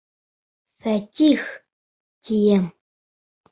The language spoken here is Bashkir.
Фәтих, тием!